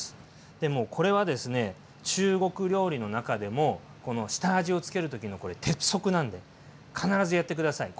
これはですね中国料理の中でも下味を付ける時のこれ鉄則なんで必ずやって下さい。